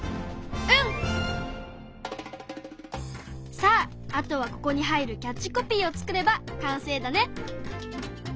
さああとはここに入るキャッチコピーを作れば完成だね。